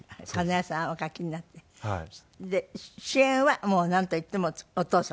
お書きになってで主演はもうなんといってもお父様。